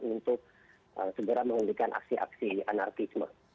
untuk segera menghentikan aksi aksi anarkisme